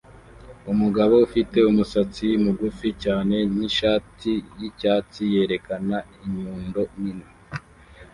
umugabo ufite umusatsi mugufi cyane nishati yicyatsi yerekana inyundo nini